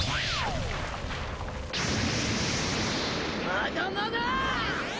「まだまだ！」